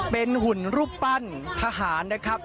เป็นหุ่นรูปปั้นทหารนะครับ